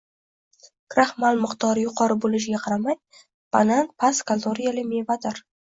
Kraxmal miqdori yuqori bo‘lishiga qaramay, banan past kaloriyali mevadir